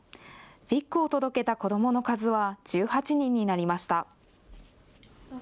ウイッグを届けた子どもの数は１８人になりました。